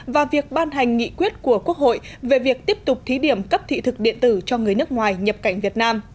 và việc ban hành nghị quyết của quốc hội về việc tiếp tục thí điểm cấp thị thực điện tử cho người nước ngoài nhập cảnh việt nam